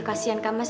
kasian kak mas